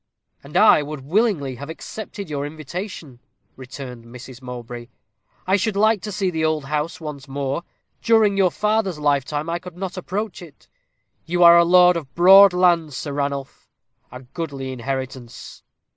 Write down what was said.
"And I would willingly have accepted your invitation," returned Mrs. Mowbray; "I should like to see the old house once more. During your father's lifetime I could not approach it. You are lord of broad lands, Sir Ranulph a goodly inheritance."